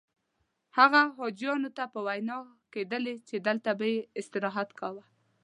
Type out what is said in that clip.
هغه حاجیانو ته به ویناوې کېدلې چې دلته به یې استراحت کاوه.